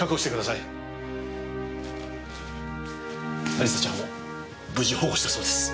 亜里沙ちゃんを無事保護したそうです。